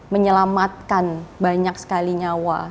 menyelamatkan banyak sekali nyawa